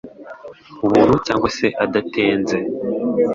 ubuntu cyangwa se adatenze